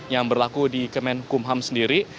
yang berlaku di kemenkumham sendiri